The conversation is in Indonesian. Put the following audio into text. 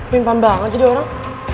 mimpam banget jadi orang